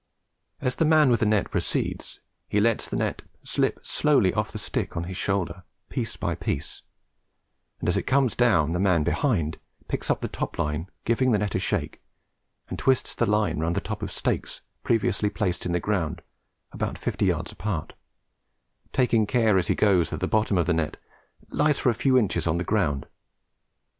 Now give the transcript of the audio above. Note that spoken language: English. As the man with the net proceeds, he lets the net slip slowly off the stick on his shoulder, piece by piece; and, as it comes down, the man behind picks up the top line, gives the net a shake, and twists the line round the top of stakes previously placed in the ground about fifty yards apart, taking care as he goes that the bottom of the net lies for a few inches on the ground.